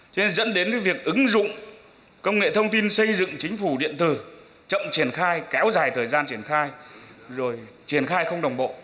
thế nên dẫn đến việc ứng dụng công nghệ thông tin xây dựng chính phủ điện tử chậm triển khai kéo dài thời gian triển khai rồi triển khai không đồng bộ